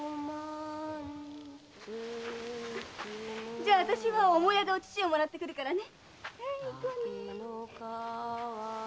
じゃああたしは母屋でお乳をもらってくるからね。